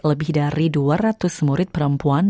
lebih dari dua ratus murid perempuan